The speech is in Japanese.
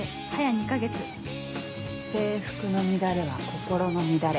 ２か月制服の乱れは心の乱れ。